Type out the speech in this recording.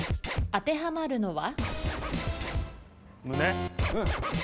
当てはまるのは？